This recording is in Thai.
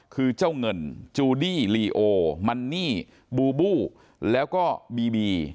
คือเจ้าเงินจูดี้ลีโอมันนี่บูบูแล้วก็บีบี